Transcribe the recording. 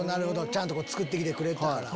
ちゃんと作って来てくれたから。